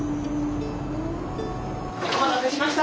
お待たせしました。